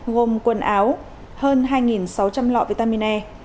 gồm quần áo hơn hai sáu trăm linh lọ vitamin e